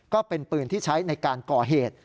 ก็เป็นปืนที่ใช้ในการก่อเหตุ